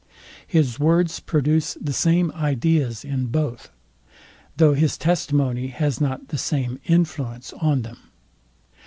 His words produce the same ideas in both; though his testimony has not the same influence on them.